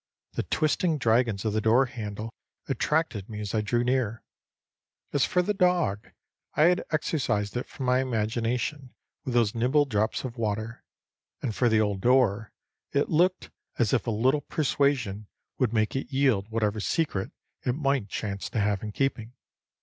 The twisting dragons of the doorhandle attracted me as I drew near. As for the dog, I had exorcised it from my imagination with those nimble drops of water; and for the old door, it looked as if a little persuasion would make it yield whatever secret it might chance to have in keeping.